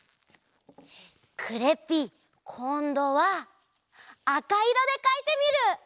クレッピーこんどはあかいろでかいてみる！